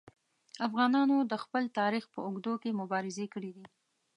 افغانانو د خپل تاریخ په اوږدو کې مبارزې کړي دي.